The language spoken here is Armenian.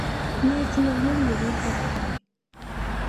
Նա իր ծնողների երրորդ զավակն էր։